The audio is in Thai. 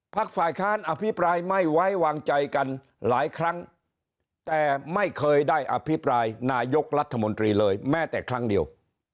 ฝ่ายค้านอภิปรายไม่ไว้วางใจกันหลายครั้งแต่ไม่เคยได้อภิปรายนายกรัฐมนตรีเลยแม้แต่ครั้งเดียว